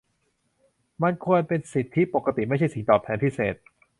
มันควรเป็นสิทธิปกติ ไม่ใช่สิ่งตอบแทนพิเศษ